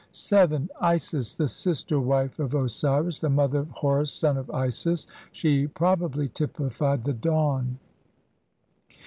7. Isis, the sister wife of Osiris and mother of "Horus son of Isis"; she probably typified the dawn.